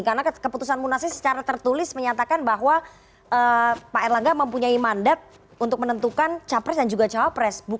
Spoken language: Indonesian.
karena keputusan munasih secara tertulis menyatakan bahwa pak erlangga mempunyai mandat untuk menentukan capres dan juga cawapres